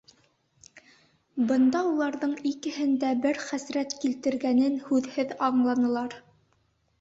Бында уларҙың икеһен дә бер хәсрәт килтергәнен һүҙһеҙ аңланылар.